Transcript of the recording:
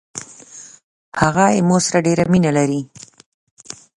هغه زما سره ډیره مینه لري.